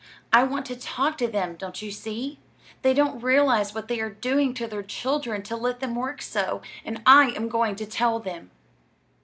I want to talk to them; don't you see? They don't realize what they are doing to their children to let them work so, and I am going to tell them."